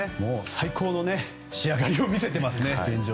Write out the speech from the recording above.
最高の仕上がりを見せてますね。